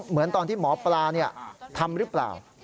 เหมือนตอนที่หมอปลาทำหรือเปล่า